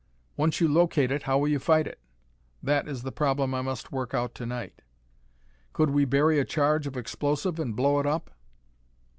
"Once you locate it, how will you fight it?" "That is the problem I must work out to night." "Could we bury a charge of explosive and blow it up?"